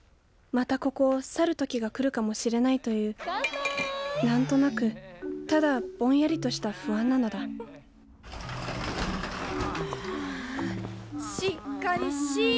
またここを去る時が来るかもしれないという何となくただぼんやりとした不安なのだしっかりしいや。